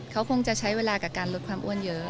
เขาคงจะใช้เวลากับการลดความอ้วนเยอะ